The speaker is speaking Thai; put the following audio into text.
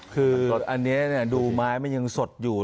คืออันนี้ดูไม้มันยังสดอยู่